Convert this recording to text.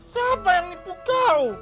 siapa yang nipu kau